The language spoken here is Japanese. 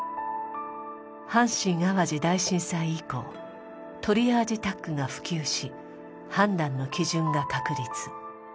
阪神淡路大震災以降トリアージタッグが普及し判断の基準が確立。